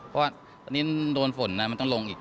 เพราะว่าตอนนี้โดนฝนมันต้องลงอีก